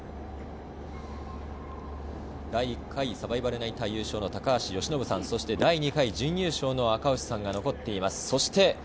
第１回サバイバルナイター優勝の高橋由伸さん、そして第２回準優勝の赤星さんが残っています。